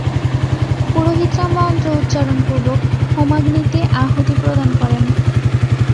পুরোহিতরা মন্ত্র উচ্চারণপূর্বক হোমাগ্নিতে আহুতি প্রদান করেন।